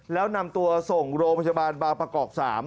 แล้วนำตัวส่งโรงพยาบาลบางประกอบ๓